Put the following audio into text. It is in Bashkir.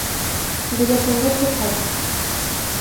Билетыңды күрһәт.